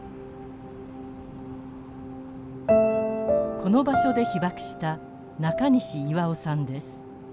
この場所で被爆した中西巖さんです。